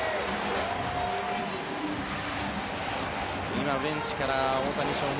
今、ベンチから大谷翔平